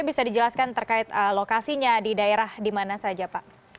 bisa dijelaskan terkait lokasinya di daerah di mana saja pak